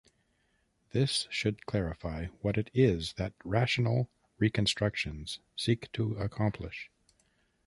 This should clarify what it is that rational reconstructions seek to accomplish.